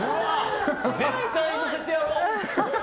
絶対乗せてやろう。